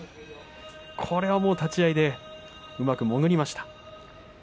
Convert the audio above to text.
これは立ち合いでうまく潜り込みました。